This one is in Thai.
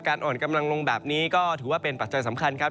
อ่อนกำลังลงแบบนี้ก็ถือว่าเป็นปัจจัยสำคัญครับ